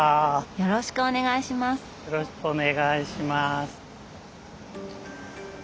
よろしくお願いします。